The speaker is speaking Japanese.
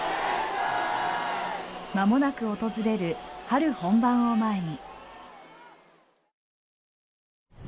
まもなく訪れる春本番を前に。